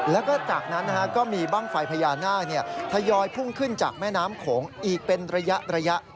แล้วก็จากนั้นก็มีบ้างไฟพญานาคทยอยพุ่งขึ้นจากแม่น้ำโขงอีกเป็นระยะ